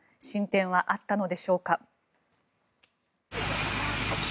進展はあったのでしょうか。